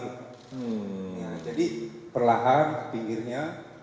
nah jadi perlahan ke pinggirnya